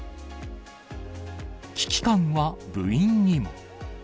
危機感は部員にも。